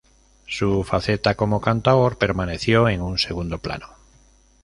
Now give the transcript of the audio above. Su faceta como cantaor permaneció en un segundo plano.